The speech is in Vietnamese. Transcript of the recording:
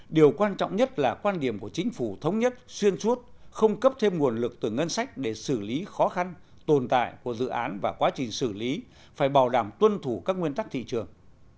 điều quan trọng nhất là quan điểm của chính phủ thống nhất xuyên suốt không cấp thêm nguồn lực từ ngân sách để xử lý khó khăn tồn tại của dự án và quá trình xử lý phải bảo đảm tuân thủ các nguyên tắc thị trường